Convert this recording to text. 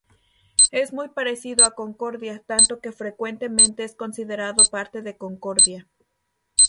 Es muy parecido a Concordia, tanto que frecuentemente es considerado parte de Concordia.